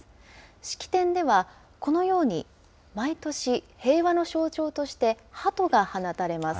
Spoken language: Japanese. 式典では、このように毎年、平和の象徴としてハトが放たれます。